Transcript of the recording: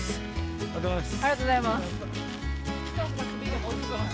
ありがとうございます。